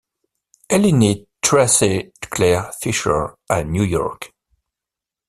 Elle est née Tracey Claire Fisher à New York.